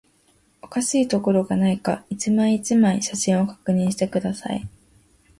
おかしいところがないか、一枚、一枚、写真を確認していく